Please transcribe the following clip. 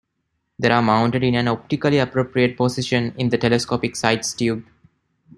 They are mounted in an optically appropriate position in the telescopic sight's tube.